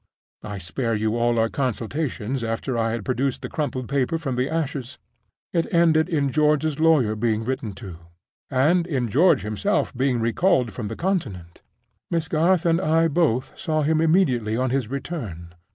I spare you all our consultations after I had produced the crumpled paper from the ashes. It ended in George's lawyer being written to, and in George himself being recalled from the Continent. Miss Garth and I both saw him immediately on his return.